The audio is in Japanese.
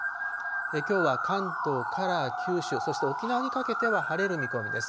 きょうは関東から九州、そして沖縄にかけては晴れる見込みです。